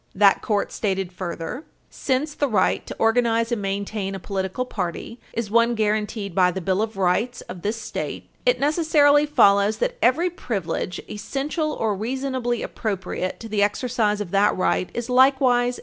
P. 545. That court stated further: "Since the right to organize and maintain a political party is one guaranteed by the Bill of Rights of this state, it necessarily follows that every privilege essential or reasonably appropriate to the exercise of that right is likewise Page 321 U.